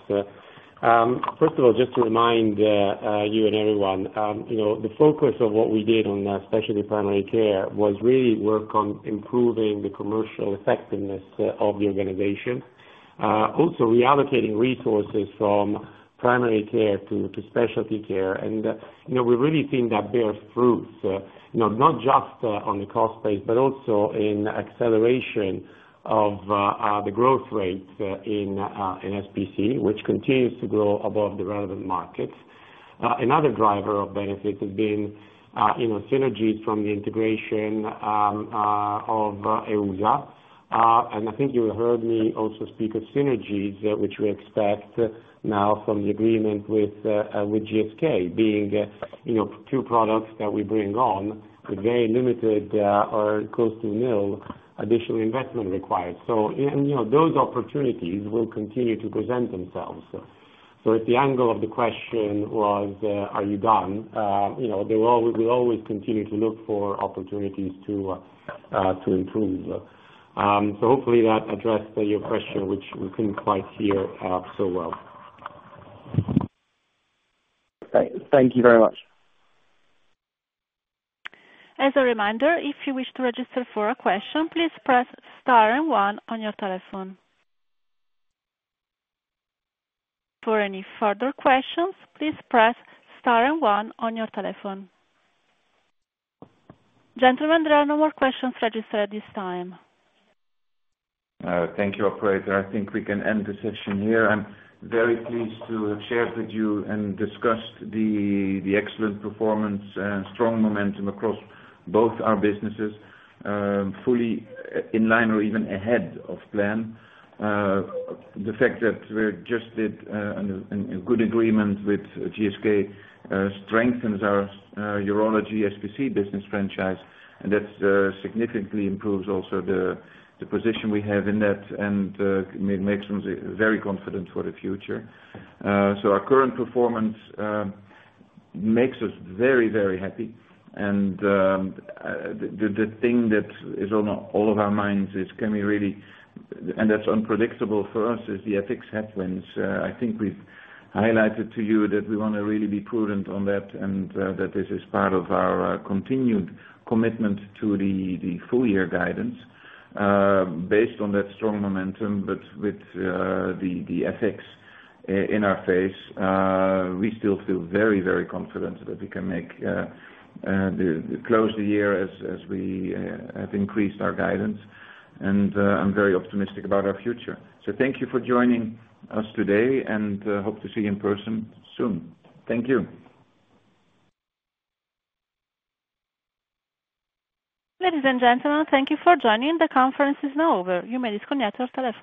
First of all, just to remind you and everyone, you know, the focus of what we did on Specialty & Primary Care, was really work on improving the commercial effectiveness of the organization. Also reallocating resources from primary care to specialty care. You know, we've really seen that bear fruit, you know, not just on the cost base, but also in acceleration of the growth rate in SPC, which continues to grow above the relevant markets. Another driver of benefit has been, you know, synergies from the integration of EUSA Pharma. And I think you heard me also speak of synergies, which we expect now from the agreement with GSK being, you know, two products that we bring on with very limited or close to nil, additional investment required. And, you know, those opportunities will continue to present themselves. If the angle of the question was, are you done? You know, there will always, we always continue to look for opportunities to improve. Hopefully that addressed your question, which we couldn't quite hear so well. Thank you very much. As a reminder, if you wish to register for a question, please press star and one on your telephone. For any further questions, please press star and one on your telephone. Gentlemen, there are no more questions registered at this time. Thank you, operator. I think we can end the session here. I'm very pleased to share with you and discuss the excellent performance and strong momentum across both our businesses, fully in line or even ahead of plan. The fact that we just did a good agreement with GSK strengthens our urology SPC business franchise, and that significantly improves also the position we have in that and makes us very confident for the future. Our current performance makes us very, very happy. The thing that is on all of our minds is, can we really... That's unpredictable for us, is the FX headwinds. I think we've highlighted to you that we want to really be prudent on that, and that this is part of our continued commitment to the full year guidance. Based on that strong momentum, but with the FX in our face, we still feel very, very confident that we can make close the year as we have increased our guidance, I'm very optimistic about our future. Thank you for joining us today, hope to see you in person soon. Thank you. Ladies and gentlemen, thank you for joining. The conference is now over. You may disconnect your telephone.